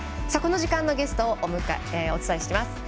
この時間のゲストをお伝えします。